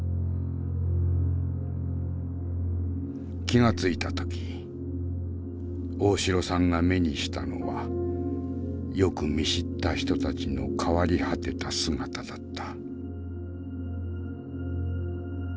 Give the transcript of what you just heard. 気が付いた時大城さんが目にしたのはよく見知った人たちの変わり果てた姿だった。